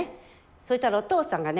そしたらお父さんがね